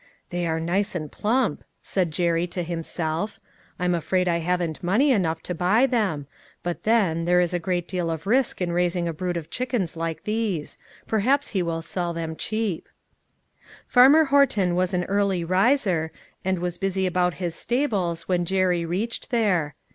" They are nice and plump," said Jerry to him self ;" I'm afraid I haven't money enough to buy them ; but then, there is a great deal of risk in raising a brood of chickens like these ; perhaps he will sell them cheap." Farmer Horton was an early riser, and was busy about his stables when Jerry reached there.